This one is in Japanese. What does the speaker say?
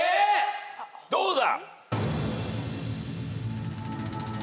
どうだ？